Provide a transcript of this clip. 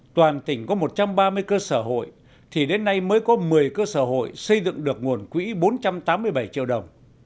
toàn tỉnh có một trăm ba mươi cơ sở hội thì đến nay mới có một mươi cơ sở hội xây dựng được nguồn quỹ bốn trăm tám mươi bảy triệu đồng